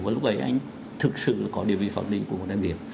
và lúc ấy anh thực sự có điều vị phạm lý của một đại biểu